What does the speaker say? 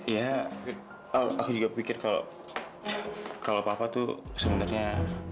ya aku juga pikir kalau papa itu sebenarnya